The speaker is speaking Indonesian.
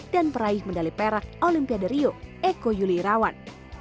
dan peraih medali perak olimpia de rio eko yuli rawan